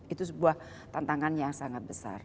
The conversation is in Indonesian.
itu sebuah tantangan yang sangat besar